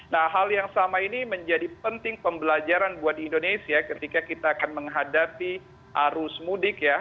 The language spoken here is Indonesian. nah hal yang sama ini menjadi penting pembelajaran buat indonesia ketika kita akan menghadapi arus mudik ya